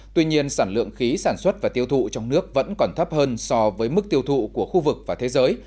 tuy nhiên sản lượng khí sản xuất và tiêu thụ trong nước vẫn còn thấp hơn so với mức tiêu thụ của khu vực và thế giới